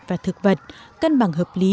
và thực vật cân bằng hợp lý